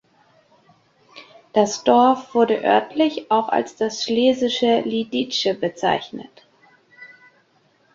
Das Dorf wurde örtlich auch als das schlesische Lidice bezeichnet.